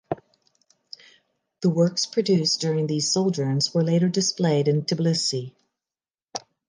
The works produced during these sojourns were later displayed in Tbilisi.